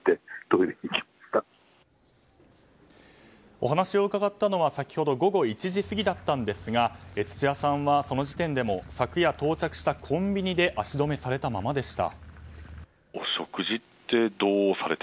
お話を伺ったのは先ほど午後１時過ぎだったんですが土屋さんはその時点でも昨夜到着したコンビニで足止めされたままでした。